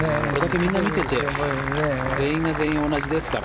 みんな見てて全員が全員同じですから。